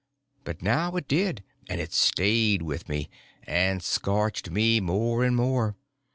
But now it did; and it stayed with me, and scorched me more and more.